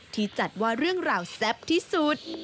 ที่จัดว่าเรื่องราวแซ่บที่สุด